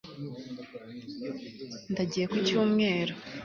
ndagiye ku cyumweru